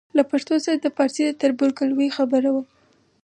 له پښتو سره د پارسي د تربورګلوۍ خبره وه.